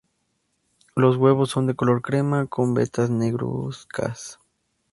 Los huevos son de color crema con vetas negruzcas.